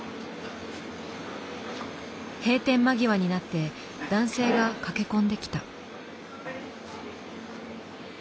閉店間際になって男性が駆け込んできた。